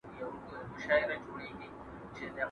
¬ اوربشي څه په مځکه، څه په جوال.